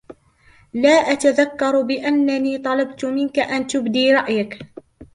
لا أتذكر بأنني طلبت منك أن تبدي رأيك